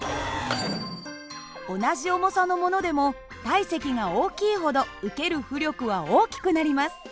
同じ重さのものでも体積が大きいほど受ける浮力は大きくなります。